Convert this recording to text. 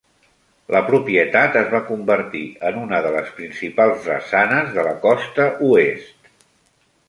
La propietat es va convertir en una de les principals drassanes de la costa oest.